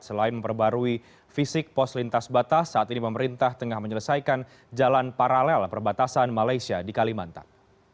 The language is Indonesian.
selain memperbarui fisik pos lintas batas saat ini pemerintah tengah menyelesaikan jalan paralel perbatasan malaysia di kalimantan